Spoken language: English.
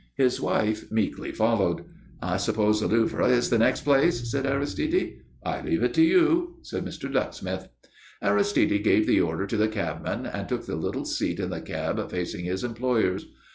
His wife meekly followed. "I suppose the Louvre is the next place?" said Aristide. "I leave it to you," said Mr. Ducksmith. Aristide gave the order to the cabman and took the little seat in the cab facing his employers.